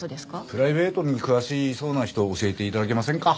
プライベートに詳しそうな人教えて頂けませんか？